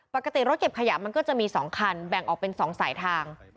ปกติรถเก็บขยะมันก็จะมี๒คันแบ่งออกเป็น๒สายทาง